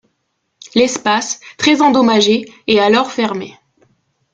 L'espace, très endommagé est alors fermé.